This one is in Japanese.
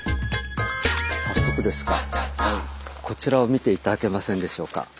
早速ですがこちらを見て頂けませんでしょうか。